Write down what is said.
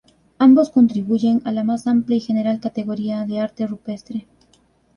Ambos contribuyen a la más amplia y general categoría de arte rupestre.